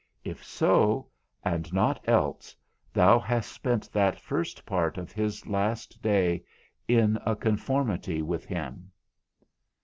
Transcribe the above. If so, and not else, thou hast spent that first part of his last day in a conformity with him.